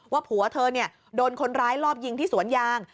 ว่าผัวเธอโดนคนร้ายรอบยิงที่สวนยาง